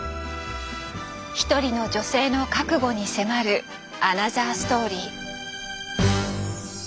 一人の女性の覚悟に迫るアナザーストーリー。